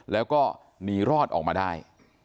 แล้วก็หนีรอดออกมาได้